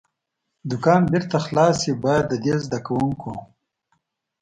دوکان بېرته خلاص شي، باید د دې زده کوونکو.